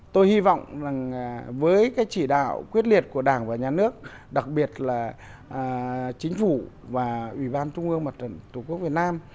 tôi hy vọng rằng với cái chỉ đạo quyết liệt của đảng và nhà nước đặc biệt là chính phủ và ủy ban trung ương mặt trận tổ quốc việt nam